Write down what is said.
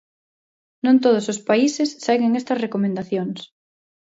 Non todos os países seguen estas recomendacións.